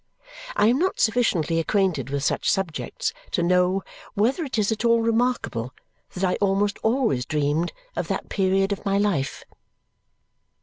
I am not sufficiently acquainted with such subjects to know whether it is at all remarkable that I almost always dreamed of that period of my life.